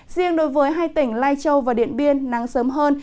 riêng đối với hai tỉnh lai châu và điện biên nắng sớm hơn